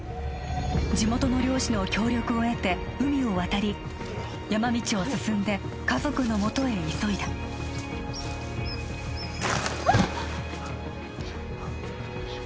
地元の漁師の協力を得て海を渡り山道を進んで家族のもとへ急いだあっ！